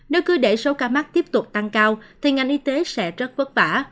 nếu cứ để số ca mắc tiếp tục tăng cao thì ngành y tế sẽ rất vất vả